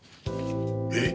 えっ！？